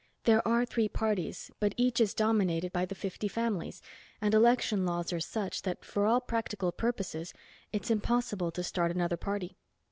There are three parties, but each is dominated by the fifty families, and election laws are such that for all practical purposes it's impossible to start another party.